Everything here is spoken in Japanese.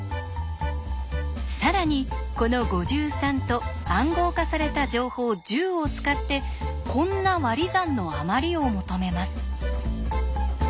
更にこの５３と暗号化された情報１０を使ってこんな割り算のあまりを求めます。